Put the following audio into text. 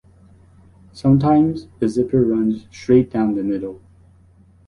Sometimes the zipper runs straight down the middle.